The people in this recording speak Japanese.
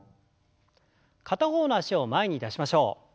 片方の脚を前に出しましょう。